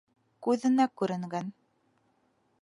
Күҙеңә күренгән.